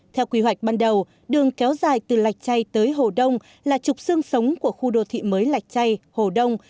theo quy hoạch ban đầu đường kéo dài từ lạch chay tới hồ đông là trục xương sống của khu đô thị mới lạch chay hồ đông